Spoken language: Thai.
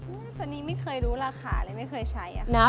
คือตอนนี้ไม่เคยรู้ราคา